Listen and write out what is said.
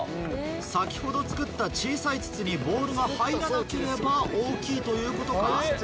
先ほど作った小さい筒にボールが入らなければ大きいということか？